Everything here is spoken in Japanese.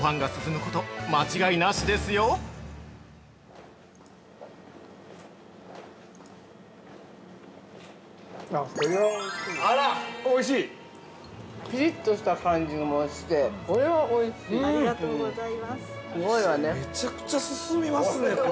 ◆むちゃくちゃ進みますね、これ。